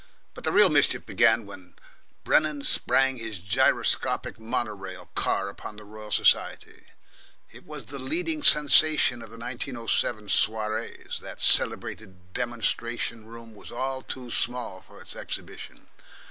But the real mischief began when Brennan sprang his gyroscopic mono rail car upon the Royal Society. It was the leading sensation of the 1907 soirees; that celebrated demonstration room was all too small for its exhibition.